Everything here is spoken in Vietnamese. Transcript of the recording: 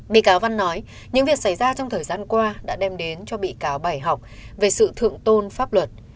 bị cáo văn nói những việc xảy ra trong thời gian qua đã đem đến cho bị cáo bài học về sự thượng tôn pháp luật